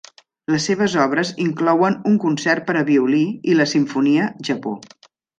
Les seves obres inclouen un concert per a violí i la simfonia 'Japó'.